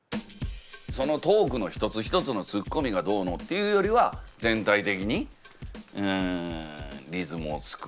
そのトークの一つ一つのツッコミがどうのっていうよりは全体的にリズムを作る人でしょＭＣってやっぱり。